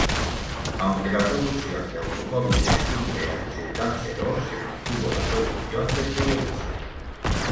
Aunque la producción de automóviles Sunbeam se canceló, se mantuvo la producción de trolebuses.